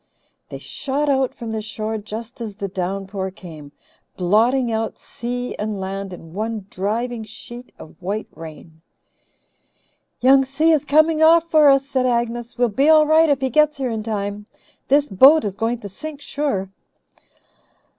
They shot out from the shore just as the downpour came, blotting out sea and land in one driving sheet of white rain. "Young Si is coming off for us," said Agnes. "We'll be all right if he gets here in time. This boat is going to sink, sure."